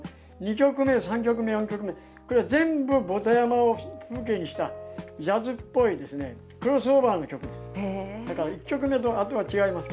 ２曲目、３曲目、４曲目、これは全部ぼた山を風景にしたジャズっぽい、クロスオーバーの曲なんです。